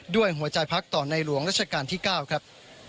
ด้วยหัวใจพักต่อในหลวงราชการที่๙ครับ